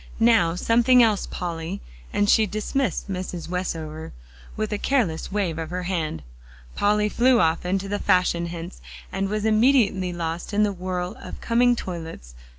Now something else, Polly," and she dismissed Mrs. Westover with a careless wave of her hand. Polly flew off into the fashion hints, and was immediately lost in the whirl of coming toilets.